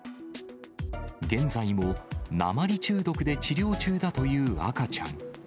現在も、鉛中毒で治療中だという赤ちゃん。